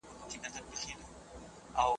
که غواړې شتمن شې نو قناعت وکړه.